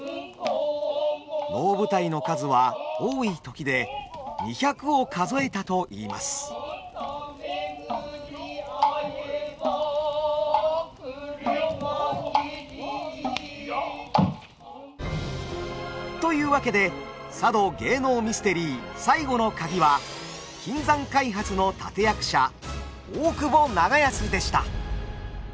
能舞台の数は多い時で２００を数えたといいます。というわけで佐渡芸能ミステリー最後のカギは金山開発の立て役者大久保長安でした。